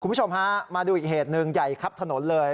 คุณผู้ชมฮะมาดูอีกเหตุหนึ่งใหญ่ครับถนนเลย